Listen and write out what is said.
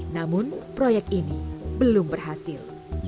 namun proyek ini belum berhasil